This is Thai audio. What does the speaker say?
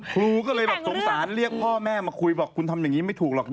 ครูก็เลยแบบสงสารเรียกพ่อแม่มาคุยบอกคุณทำอย่างนี้ไม่ถูกหรอก